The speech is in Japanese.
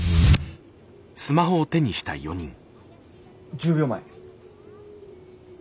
１０秒前。